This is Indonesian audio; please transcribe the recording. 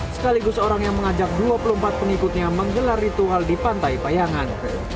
sekaligus orang yang mengajak dua puluh empat pengikutnya menggelar ritual di pantai payangan